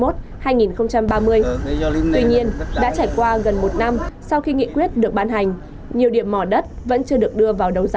tuy nhiên đã trải qua gần một năm sau khi nghị quyết được ban hành nhiều điểm mỏ đất vẫn chưa được đưa vào đấu giá